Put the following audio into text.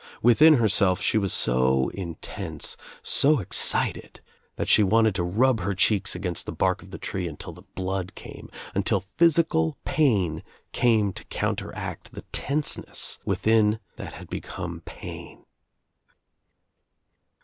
Within herself she was so intense, so excited that she wanted to rub her cheeks against the bark of the tree until the blood came, until physical pain came to counter act the tenseness within that had become pain.